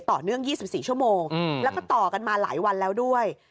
ต่อเนื่อง๒๔ชั่วโมงแล้วก็ต่อกันมาหลายวันแล้วด้วย